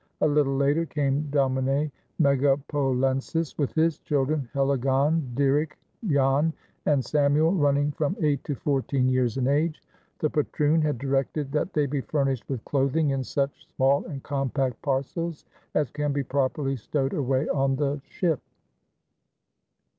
A little later came Domine Megapolensis with his children Hellegond, Dirrick, Jan, and Samuel, running from eight to fourteen years in age. The patroon had directed that they be furnished with clothing "in such small and compact parcels as can be properly stowed away on the ship."